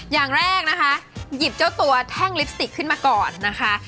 อย่างแรกนะคะหยิบเจ้าตัวแท่งลิปสติกขึ้นมาก่อนนะคะ